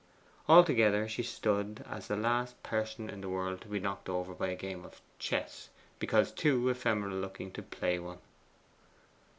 Altogether she stood as the last person in the world to be knocked over by a game of chess, because too ephemeral looking to play one.